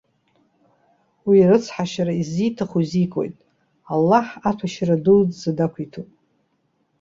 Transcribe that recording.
Уи ирыцҳашьара иззиҭаху изикуеит. Аллаҳ аҭәашьара дууӡӡа дақәиҭуп.